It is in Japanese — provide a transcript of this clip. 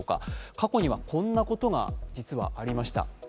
過去にはこんなことが実はありました。